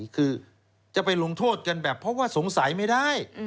คือจะไปลงโทษกันแบบเพราะว่าสงสัยไม่ได้